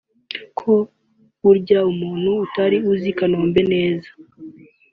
ku buryo umuntu utari uzi Kanumba neza